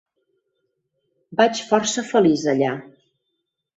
Vaig força feliç allà.